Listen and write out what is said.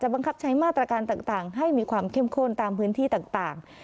บังคับใช้มาตรการต่างให้มีความเข้มข้นตามพื้นที่ต่าง